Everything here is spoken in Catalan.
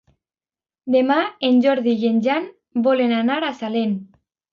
Demà en Jordi i en Jan volen anar a Salem.